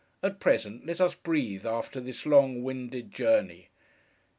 At present, let us breathe after this long winded journey.